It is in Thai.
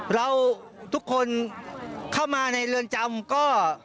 เราทุกคนเข้ามาในเรือนจำก็